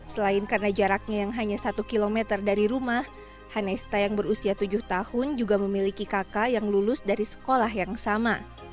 selain karena jaraknya yang hanya satu km dari rumah hanesta yang berusia tujuh tahun juga memiliki kakak yang lulus dari sekolah yang sama